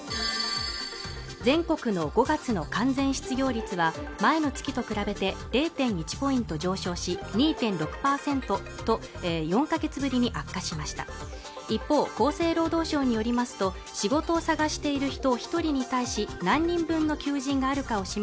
全国の５月の完全失業率は前の月と比べて０．１ポイント上昇し２．６％と４か月ぶりに悪化しました一方厚生労働省によりますと仕事を探している人